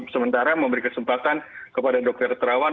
sementara memberikan kesempatan kepada dr tirawan